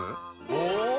お！